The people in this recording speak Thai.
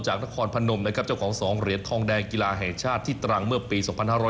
นครพนมนะครับเจ้าของ๒เหรียญทองแดงกีฬาแห่งชาติที่ตรังเมื่อปี๒๕๖๐